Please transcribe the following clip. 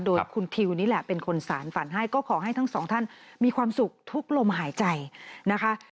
โดยคุณทิวนี่แหละเป็นคนสารฝันให้ก็ขอให้ทั้งสองท่านมีความสุขทุกลมหายใจนะคะ